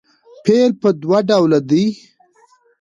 فعل پر دوه ډوله دئ.